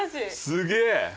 すげえ。